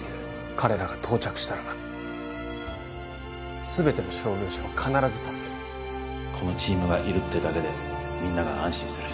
彼らが到着したら全ての傷病者を必ず助けるこのチームがいるってだけでみんなが安心する